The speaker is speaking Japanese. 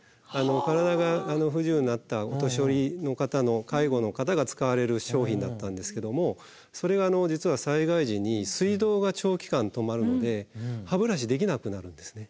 体が不自由になったお年寄りの方の介護の方が使われる商品だったんですけどもそれが実は災害時に水道が長期間止まるので歯ブラシできなくなるんですね。